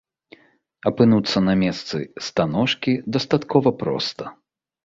Апынуцца на месцы станожкі дастаткова проста.